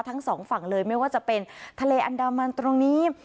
ทั้งสองฝั่งเลยไม่ว่าจะเป็นทะเลอันดามันตรงนี้